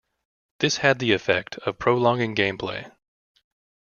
This had the effect of prolonging gameplay.